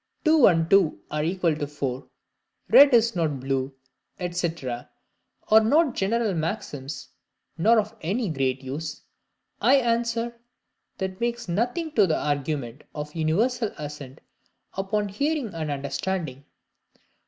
"two and two are equal to four," "red is not blue," &c., are not general maxims nor of any great use, I answer, that makes nothing to the argument of universal assent upon hearing and understanding.